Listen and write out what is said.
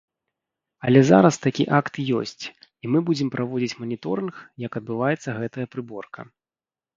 Але зараз такі акт ёсць, і мы будзем праводзіць маніторынг, як адбываецца гэтая прыборка.